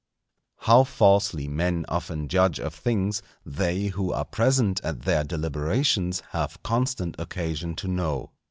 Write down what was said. _ How falsely men often judge of things, they who are present at their deliberations have constant occasion to know.